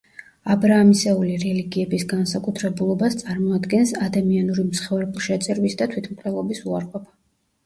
აბრაამისეული რელიგიების განსაკუთრებულობას წარმოადგენს ადამიანური მსხვერპლშეწირვის და თვითმკვლელობის უარყოფა.